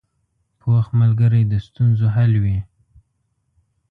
پوخ ملګری د ستونزو حل وي